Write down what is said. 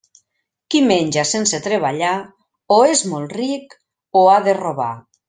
Qui menja sense treballar, o és molt ric, o ha de robar.